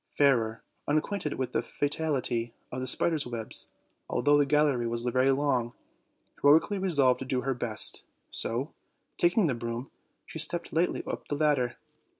Fairer, unacquainted with the fatality of the spiders' webs, although the gallery was very long, hero ically resolved to do her best; so, taking the broom, she stepped lightly up the ladder.